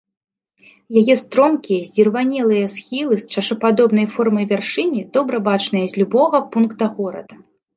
Яе стромкія, здзірванелыя схілы з чашападобнай формай вяршыні добра бачныя з любога пункта горада.